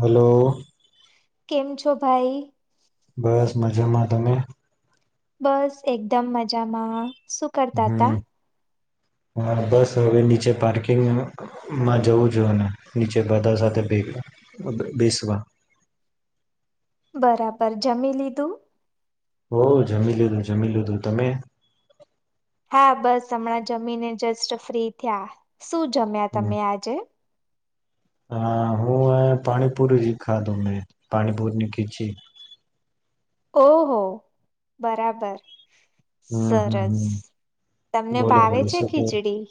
Hello કેમ છો ભાઈ બસ મજામાં તમે બસ એકદમ મજામાં સુું કરતા હતા હ બસ હવે નીચે પાર્કિંગમાં જવું જો અને નીચે બધા સાથે બેસવા બરાબર જમી લીધું હો જમી લીધું જમી લીધું તમે હા બસ હમણાં જમીને જસ્ટ ફ્રી થયા શું જમ્યા હમ. તમે આજે હા હું પાણીપુરી જી ખાધું મેને પાણીપુરી ની ખીચી ઓહ બરાબર હમ હમ સરસ હમ તમને બોલો ભાવે બોલો છે શું કે ખીચડી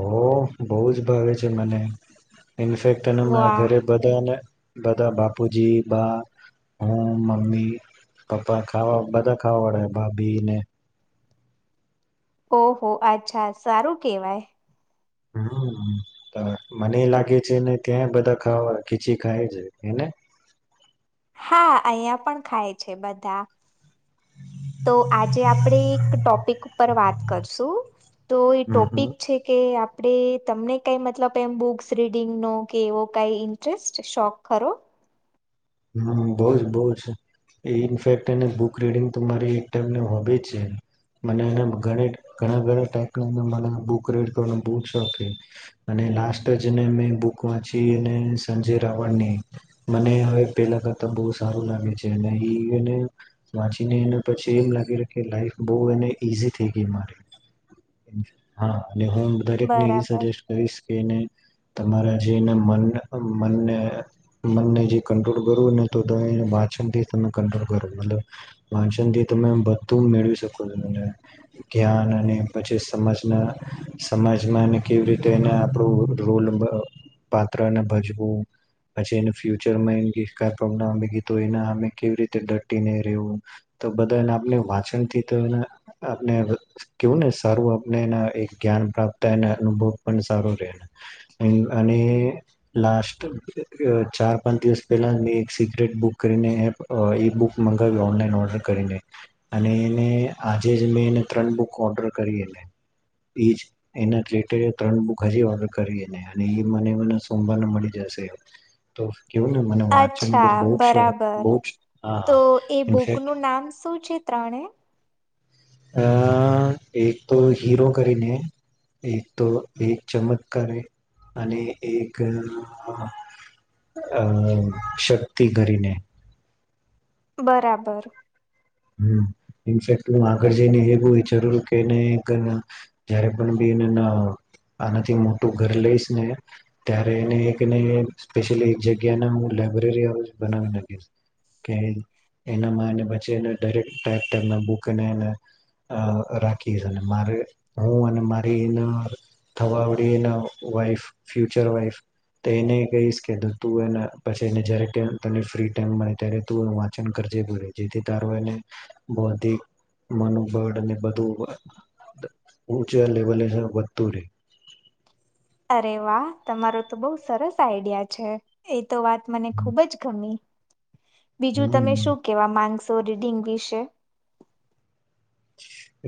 હો બહ જ ભાવે છે મને ઇનફેક્ટ એના વાહ ઘરે બધાને બધા બાપુજી બા હું મમ્મી પપ્પા ખાવા બધા ખાવા વાળા બાપ બને ઓહો અચ્છા સારું કેવાય હમ મને એ લાગે છે ને ત્યાં બધા ખાવા ખીચી ખાય છે એને હા અહંયા પણ ખાય છે બધા તો આજે આપડે એક ટોપિક ઉપર વાત કરશું તો એ હમ હમ ટોપિક છે કે આપે તમને કઈ મતલબ એમ બુક્સ રીડિંગ નો કે એવો કઈ ઇન્ટરેસ્ટ શોખ ખરો હ બ જ બહ ઇનફેક્ટ એને બુક રીડિંગ તો મારી એક ટાઈપને હોબી જ છે મને એ ઘણા ઘણા ટાઈપ બુક રીડ કરવાનો બ શોખ છે અને લાસ્ટ જને મેં બુક વાંચી એને સંજય રાવડની મને હવે પેલા કરતા બહુ સારું લાગે છે અને એને વાંચીને એને પછી એમ લાગે કે લાઈફ બહ એ ઈઝી થઈ ગઈ મારી હા અને હું દરેકને એ બરાબર સજેસ્ટ કરીશ કે એને તમા જે મ જે કરને તો વાચનથી તમે કટ્રોલ કરો મલબ વાંચનથી તમે બધું મેળવી શકો છો જ્ઞાન અને પછી સમાજના સમાજમાં કેવી રીતે એ આપણું રોલ પાત્રને ભજવું પછી એ ફ્યુચરમાં ક પ્રોબ્લેમ આવી ગ તો એને અ કેવી રીતે દટી ન રહેવું તો બધા એ આપને વાંચન થી તો આપને કેવું ને સારું આપને એ એક જ્ઞાન પ્રાપ્તા એ અનુભવ પણ સારો રહે અને લાસ્ટ ચાર પાંચ દિવસ પહેલાં મેં એક સિક્રેટ બુક કરીને એ બુક મંગાવી ઓનલાઈન ઓર્ડર કરીને અને એને આજે જ મેં એને ત્રણ બુક ઓર્ડર કરીને એ જ એના થેટેરે ત્રણ બુક હજી ઓર્ડર કરી એને અને એ મને મને સોમવારને મળી જશે તો કેવું ને મને વાંચન અચ્છા બહુ જ બરાબર બહુ જ હા તો એ ઇનફેક્ટ બુકનુંું નામ શું છે ત્રણે આ એક તો હીરો કરીને એક તો એક ચમત્કારે અને એક શક્તિ કરીને બરાબર હ ઇનફેક્ટ હું આગળ જઈને એવું જરૂર કે એને જયારે પણ બી એને આનાથી મોટું ઘર લઈશ ને ત્યારે એને એકને સ્પેશલી એક જગ્યાના હું લાયબ્રેરી બનાવી નાખીશ કે એનામાં એને બચેને રે ટાઈ ટાઈના બુકને એને રાખીશ અને મારે હું અને મારી એના થવા આવી એના વાઈફ ફ્યુચર વાઈફ તો એને કહીશ કે તું એને પછીને જ તને ફ્રી ટાઈમ મળે ત્યારે તું વાંચન કરજે બ જેથી ત બ મનોબળ અને બધું ચા લેવલે વધતું રહે અ વાહ તમારો તો બઉ સરસ આઈડિયા છે તો વાત મને ખુબ જ ગમી બીજું તમે શું કેવા માંગશો. સો રીડિંગ વિશે.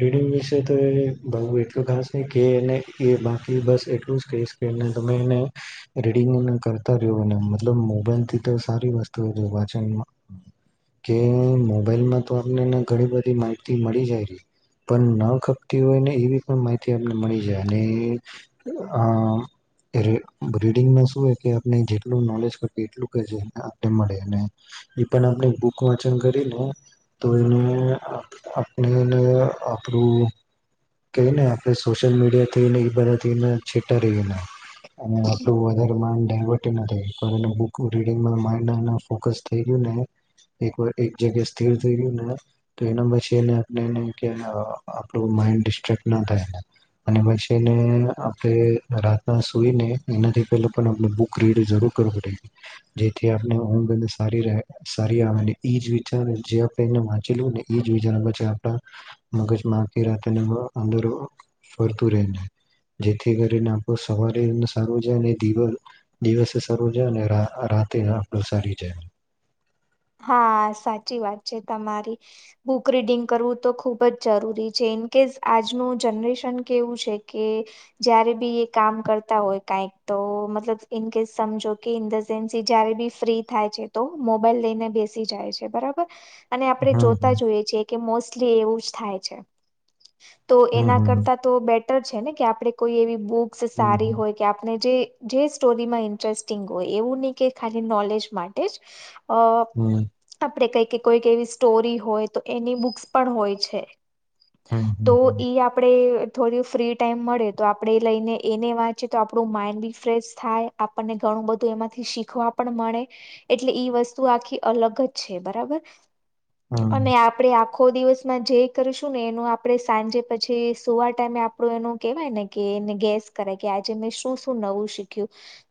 રીડિંગ વિશે તો એ બ એટલું ખાસ છે કે એને એ બાકી બસ એટલું જ કહીશ કે તમે એને રીડિંગ કરતા રહ્યો મતલબ મોબાઈલથી તો સારી વસ્તુ વાચન કે મોબાઈલમાં તો આપને ઘણી બધી માહિતી મળે. ખ હોયને એવી પણ માહિતી આપને મળી જાય અને રીડંગ શ કે આપ જેટલું નોલેજ એટલું મળે એ પણ આપણે બુક વાચન કરીને તો એને. એને આપણું ક ને આપણે સોશિયલ મીડિયા થીને એ બધાને છેટા રહીને. અને આટલું વધાર ડ થ રીંગ ફોકસ થઈ ગયુંને જગ્યા સ્થિર થઈ ગયું ને તો એના પછી આપણું માઈન્ડ ડિસ્ટ્રેક્ટ ના થાય અને પછી એને આપણે રાતના સુઈને એનાથી પેલા પણ આપ બુક રીડ જરૂર કરવો પઈ જેથી આપણે હું બને સારી રહે સારી આવેને એ જ વિચારે જે આપણે એને વાંચીલું ને એ જ વિચાર પછી મગજમાંખી રાતે અંદરો ફરતું રને જેથી કરીને આપણ સવારે સારું જાય અને દ દિવસે સારું જાય અને રાતે આપણ સારી જાય. હા સાચી વાત છે તમારી બુક રીડિંગ કરવું તો ખુબ જ જરૂરી છે ઇન કેસ આજનું જનરેશન કેવું છે કે જયારે બી એ કામ કરતા હોય કંક તો મતલબ ઇનકેસ સમજો કે ઇન ધ સેન્સ એ જયારે બી ફ્રી થાય છે તો મોબાઈલ લઈને બેસી જાય છે બરાબર અને આપણેે હમ જોતા હમ જોઈએ છીએ કે મો લી એવું જ થાય છે. તો હમ એના હમ કરતા તો બેટ છે ને કે આપડે કોઈ એવી બ સારી હમ હોય કે આપણે જે જે સ્ટોરીમાં ઇન્ટરેસ્ટિંગ હોય એવું નહી કે ખાલી નોલેજ માટે જ [inaudible] આપે કઈ કોઈક એવી સ્ટોરી હોય તો એની બુક્સ પણ હોય છે. હમ તો હમ ઈ આપડે થોડ ફ્રી ટાઈમ મળે તો આપણે એ લઈને એને વાંચી તો આપણું માઈન્ડ બી ફ્રેશ થાય આપણને ઘણું બધું એમાંથી શીખવા પણ મળે એટલે ઈ વસ્તુ આખી અલગ જ છે બરાબર. હમ હમ અને આપડે આખો દિવસમાં જે કરીશું ને એનું આપણે સાંજે પછી સુવા ટાઈમે આપણું એનું કેહેવાય ને કે એને ગેસ કરે કે આજે મેં શું શું નવું શીખ્યું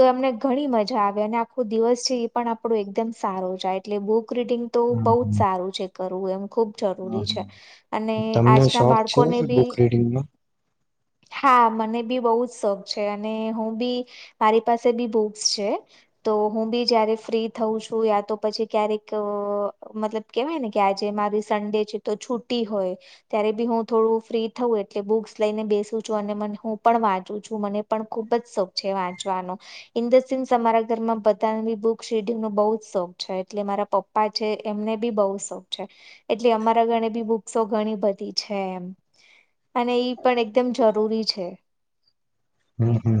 તો એમને ઘણી મજા આવે અને આખો દિવસ છે એ પણ આપણો એકદમ સારો જાય. એટલે બુક રીડિંગ તો હમ બહુ જ હમ સારું છે. ું એમ. ખૂબ જરૂરી છે હમ અને તમને આજના શોખ છે બાળકોને બી બુક રીડિંગનો હા મને બ શોખ છે અને હું બી મારી પાસે બી બુક્સ છે તો હું બી જયારે ફ્રી થઉ છું યા તો પછી ક્યારેક મતલબ કેવાય ને કે આજે મારી સન્ડે છે તો છુટી હોય ત્યારે બી હું થોડું ફ્રી થઉું એટલે બુક્સ લઈને બેસું છું અને હું પણ વાંચું છું મને પણ ખુબ જ શોખ છે વાંચવાનો ઇન ધ સેન્સ અમારા ઘરમાં બધા બુક્સ રીડિંગ નો બહ જ શોખ છે. એટલે મારા પપ્પા છે એમને બી બહુ શોખ છે એટલે અમારા ગણે બી બુક્સો ઘણી બધી છે એમ અને એઈ પણ એકદમ જરૂરી છે. હમ હમ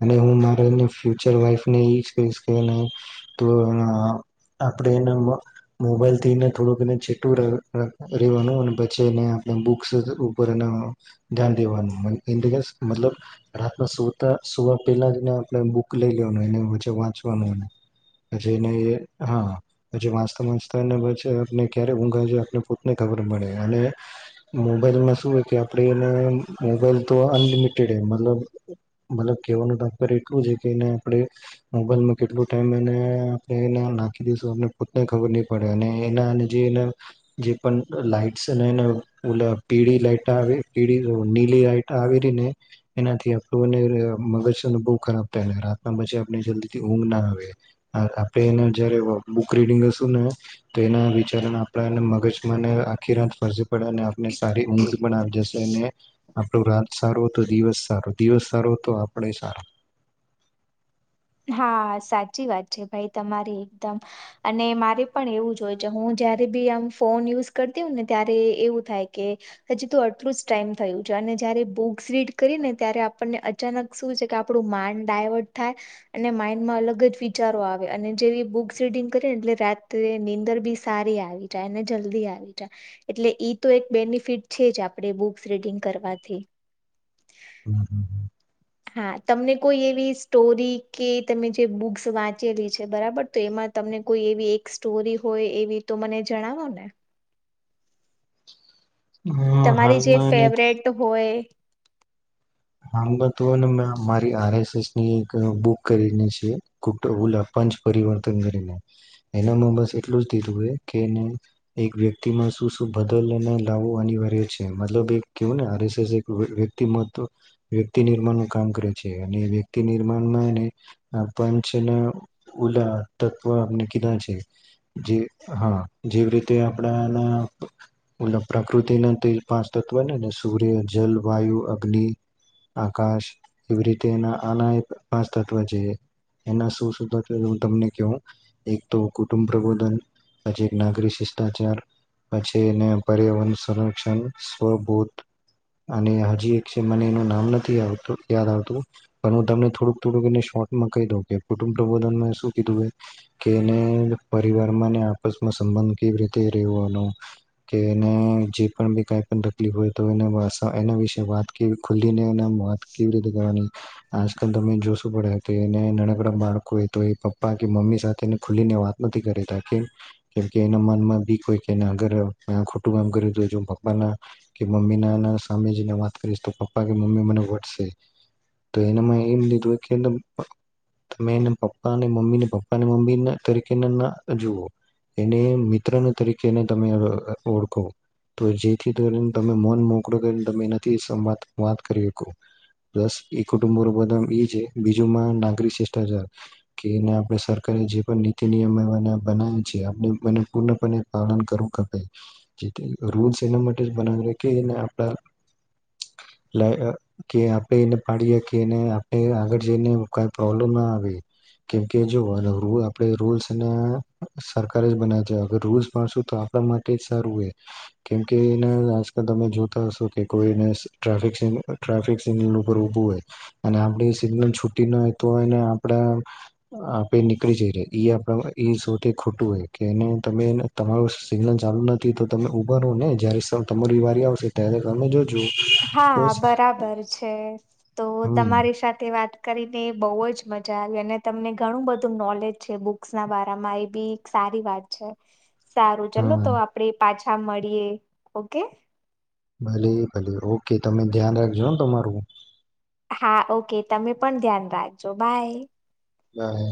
અને હું મારેને ફ્યુચર વાઈફને એ કહીશ કે તો આપણે એને મોબાઈલ થીને થોડુંક એને ચટું રેવાનું પેને બુક્સ ઉપર એ ધ્યાન દેવાનું ઇ ધ મતલ સુતા સુવા પહેલા જને આપણે બુક લઈ લેવાનું એ પ વાંચવાનું પછી એને હા પછી વાંચતા વાંચતા પછ આપને ક્યારે ઊંઘા આપને પોતને ખબર મળે અને મોબાઈલમાં શું હો કે આપણે એને મોબાઈલ તો અનલિમિટેડ મતલબ વાનું તર એટલું જ કે એને આપે મોબાઈલમાં કેટલોું ટાઈમ એ એ નાખી દઈશું પોતને ખબર નહી પડે અને એના જે જે પણ લાઈટ અને એ પીળ લાઈટ આવે પ નીલી લાઈટ આવે રને એનાથી મગજને બહુ ખરાબ થાય ને રાતના પછી આપ જલ્દી થી ઊંઘ ના આવે આપે એને જયારે બુક રીડંગ હશું ને તો એના વિચાર આપ મગજમાં કીરાત ફરજી પડે અને આપને સારી ઊંઘી પણ આવી જશે અને આપણું રાત સારું તો દિવસ સારો દિવસ સારો તો આપણે સારો. હા સાચી વાત છે ભાઈ તમારી એકદમ અને મારે પણ એવું જો હોય છે હું જયારે બી આમ ફોન યુઝ કરતી હોય ને ત્યારે એવું થાય કે હજી તો આટલું જ ટાઈમ થયું છે અને જયારે બુક્સ રીડ કરી ને ત્યારે આપણને અચાનક શું છે કે આપણું માઇન્ડ ડાયવર્ટ થાય અને માઈન્ડમાં અલગ જ વિચારો આવે અને જેવી બુક્સ રીડિંગ કરી ને એટલે રાત્રે નીંદર બી સારી આવી જાય અને જલ્દી આવી જાય એટલે તો એક બેનિફિટ છે જ આપણે બુક્સ રીડિંગ કરવાથી હા તમને કોઈ એવી સ્ટોરી કે તમે જે બુક્સ વાંચેલી છે બરાબર તો એમાં તમને કોઈ એવી એક સ્ટોરી હોય એવી તો મને જણાવો ને. હા તમારી જે હાલમાં એને ફેવરેટ હોય. હાલમાં તો હેને ને મે મારી આર એસ એસ ની એક બુક કરીને છે કૂકડ હુલા પંચ પરિવર્તન કરીને એનામાં બસ એટલું જ દીધું હે કે એક વ્યક્તિમાં શું શું બદલાવો અને લાવવો અનિવાર્ય છે મતલબ એક કેવું ને આર એસ એસ એક વ્યક્તિમાં વ્યકિતની મનોકામ કરે છે અને વ્યક્તિ નિર્માણમાં હેને આ પંચના ઉલા તત્વ આપણે કીધા છે જે હા જેવી રીતે આપણાના ઓલા પ્રકૃતિના તે પાંચ તત્વનેને સૂર્ય, જલ, વાયુ, અગ્નિ આકાશ એવી રીતે એના આનાય પાંચ તત્વ છે એના શોધ હું તમને કેવું એક તો કુટુંબ પ્રબોધન પછી એક નાગર શિષ્ટાચાર પછી એને પર્યાવરણ સંરક્ષણ સ્વબોધ અને હજી એક મને એનું નામ નથી આવતું યાદ આવતું પણ હું તમને થોડુંક થોડુંક એને શોર્ટમાં કહી દઉં કે કુટુંબ પ્રબોધન શું કીધું હે કે એને પરિવારમાંને આપસમાં સંબંધ કેવી રીતે રેવાનો કે એને જે પણ કાઈ પણ તકલીફ હોય તો એ એના વિશે વાત કે ખુલીને એને એમ વાત કેવી રીતે કરવાની આજકાલ તમે જોશું પડે તો એના નાનકડા બાળકો તો એ પપ્પા કે મમ્મી સાથેને ખુલીને વાત નથી કરીતા કેમ કેમ કે એના મનમાં બી કોઈ કેને અગર ખોટું કામ કર્યું હતું જો પપ્પાના કે મમ્મીના સામે જઈને વાત કરીશ તો પપ્પા કે મમ્મી મને વઢશે તો એને એમ લીધું કે તમે એના પપ્પા અને મમ્મી પપ્પાને મમ્મી તરીકે ના જુઓ એને મિત્રને તરીકેને તમે ઓળખો તો જેથી કરીને તમે મન મોકળો કરીને તમે એના થી સંવાદ વાત કરી હકો પલસ એ કુટુંબો [unintelligible] ઈ છે બીજુંમાં નાગરિક શિષ્ટાચાર કે એને આપણે સરકારે જે પણ નીતિ નિયમ બન બનાયા છે આપણે એનું પૂર્ણપણે પાલન કરવું કપે જે રૂલ્સ એના માટે જ બનાવી કે એના આપણા લા કે આપણે એને પાડીએ હકીએ કે એને આપણે આગળ જઈને કાઈ પ્રોબ્લેમ ના આવે કેમકે જો આપણે રુલ રૂલ્સ સરકાર જ બનાવે છે અ રૂલ્સ પાડશું તો આપણા માટે જ સારું હોય કેમકે એના આજકાલ તમે જોતા હશો કે કોઈને ટ્રાફિક ટ્રાફિક સિગ્નલ ઉપર ઊભું હોય અને આપડી સિગ્નલ છૂટી ન હકતુ હોય તો હોયને આપણા આપે નીકળી જઈએ ઈ આપણા ઈ સૌથી ખોટું હોય કે એને તમે તમારું સિગ્નલ ચાલુ નથી તો તમે ઊભા રોને જયારે તમારી વારી આવશે ત્યારે તમે જો હા બરાબર છે તો હમ તમારી સાથે વાત કરીને બહુ જ મજા આવી અને તમને ઘણું બધું નોલેજ છે બુક્સ ના બરામાં એ બી એક સારી વાત છે. સારું ચલો તો હમ આપડે પાછ છા મળીએે ઓકે. ભલે ભલે ઓકે તમે ધ્યાન રાખજો હ તમારું. હા ઓકે તમે પણ ધ્યાન રાખજો બાય. બાય.